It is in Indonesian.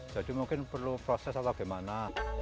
jadi mungkin perlu proses atau bagaimana